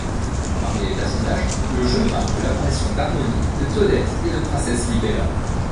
Parmi les personnages, le jeu marque l'apparition d'Harmonie, de Toadette et de Princesse Libella.